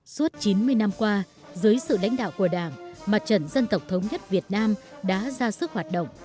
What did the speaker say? suốt chín mươi năm qua dưới sự lãnh đạo của đảng mặt trận dân tộc thống nhất việt nam đã ra sức hoạt động